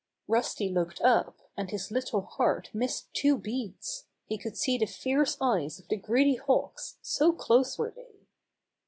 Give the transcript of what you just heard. Rusty looked up, and his little heart missed two beats. He could see the fierce eyes of the greedy hawks, so close were they.